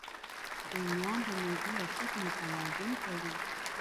رومیان د معدې اسید متوازن کوي